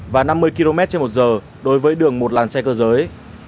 và năm mươi km trên một giờ đối với đường một làn xe cơ giới